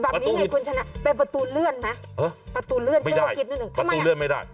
แบบนี้ไงคุณฉันเป็นประตูเลื่อนไหมไม่ได้ประตูเลื่อนไม่ได้